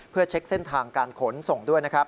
เพื่อเช็คเส้นทางการขนส่งด้วยนะครับ